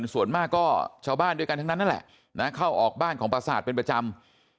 ส่วนมากก็ชาวบ้านด้วยกันทั้งนั้นนั่นแหละเข้าออกบ้านของประสาทเป็นประจำ